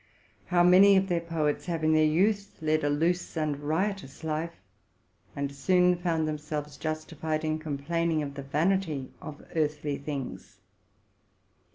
How many of their poets have in their youth led a loose and yiotous life, and soon found themselves justified in com plaining of the vanity of earthly things!